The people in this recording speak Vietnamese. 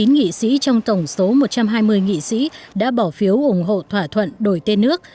một mươi nghị sĩ trong tổng số một trăm hai mươi nghị sĩ đã bỏ phiếu ủng hộ thỏa thuận đổi tên nước